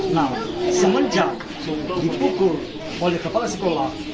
nah semenjak dibukur oleh kepala sekolah